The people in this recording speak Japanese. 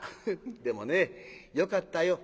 でもねよかったよ」。